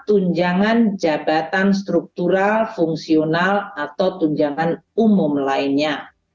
tunjangan jabatan struktural fungsional atau tunjangan umum lainnya